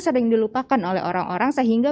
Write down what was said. sering dilupakan oleh orang orang sehingga